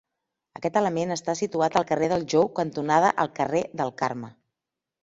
Aquest element està situat al carrer del Jou cantonada al carrer del Carme.